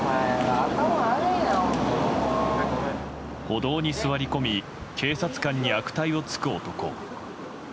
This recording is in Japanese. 歩道に座り込み警察官に悪態をつく男。